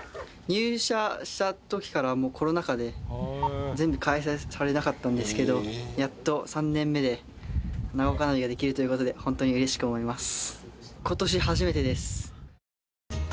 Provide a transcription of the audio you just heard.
入社したときからコロナ禍で全部開催されなかったんですけれどやっと３年目で長岡花火ができるということで本当にうれしく思います。